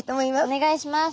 お願いします。